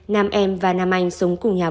nam em và nam anh sống cùng nhau